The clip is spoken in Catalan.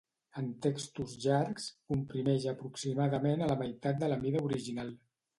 En textos llargs, comprimeix aproximadament a la meitat de la mida original.